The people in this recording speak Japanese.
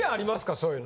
そういうの。